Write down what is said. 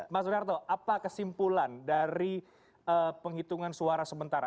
mas sunarto apa kesimpulan dari penghitungan suara sementara